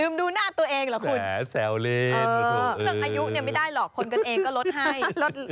ลืมดูหน้าตัวเองเหรอคุณเออแสวเล่นเออเรื่องอายุนี่ไม่ได้หรอกคนกันเองก็ลดให้